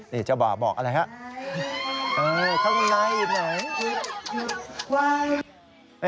นี่เจ้าบ่าบอกอะไรฮะ